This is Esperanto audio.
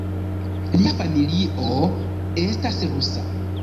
Lia familio estas rusa.